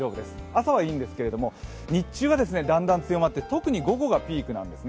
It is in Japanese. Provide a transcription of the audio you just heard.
朝はいいんですけれども日中はだんだん強まって特に午後がピークなんですね。